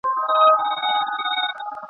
مزل کوم خو په لار نه پوهېږم ..